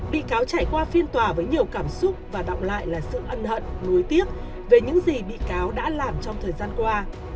bị cáo trải qua phiên tòa với nhiều cảm xúc và động lại là sự ân hận nối tiếc về những gì bị cáo đã làm trong thời gian qua